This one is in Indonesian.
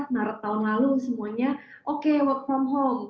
maret tahun lalu semuanya oke work from home